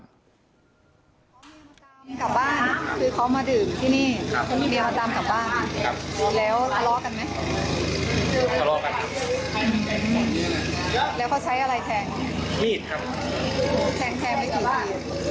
กลับบ้านคือเขามาดื่มที่นี่ครับเดี๋ยวตามกลับบ้านครับแล้วอร้อกันไหม